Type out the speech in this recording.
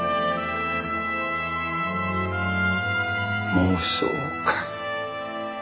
妄想か。